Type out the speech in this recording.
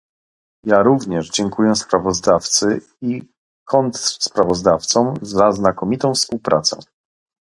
Ja również dziękuję sprawozdawcy i kontrsprawozdawcom za znakomitą współpracę